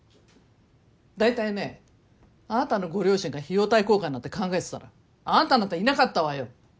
だいたいねあなたのご両親が費用対効果なんて考えてたらあなたなんていなかったわよ。